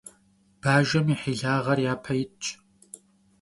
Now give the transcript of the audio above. Бажэм и хьилагъэр япэ итщ.